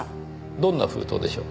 どんな封筒でしょう？